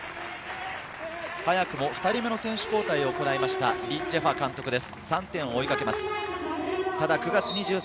早くも２人目の選手交代をしました、リ・ジェファ監督です。